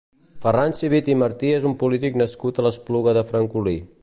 Ferran Civit i Martí és un polític nascut a l'Espluga de Francolí.